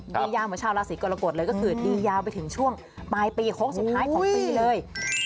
ยาวเหมือนชาวราศีกรกฎเลยก็คือดียาวไปถึงช่วงปลายปีโค้งสุดท้ายของปีเลย